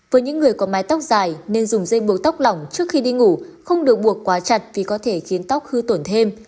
với những người có mái tóc dài nên dùng dây buộc tóc lỏng trước khi đi ngủ không được buộc quá chặt vì có thể khiến tóc hư tổn thêm